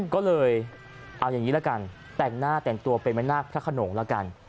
ก็เลยเอาอย่างนี้ละกันแต่งหน้าแต่งตัวเป็นแม่นาคพระขนงแล้วกัน